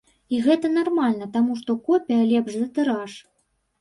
І гэта нармальна, таму што копія лепш за тыраж.